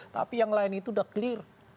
tapi yang lain itu sudah clear